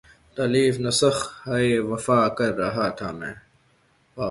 تالیف نسخہ ہائے وفا کر رہا تھا میں